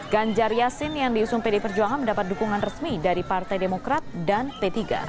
ganjar yasin yang diusung pdi perjuangan mendapat dukungan resmi dari partai demokrat dan p tiga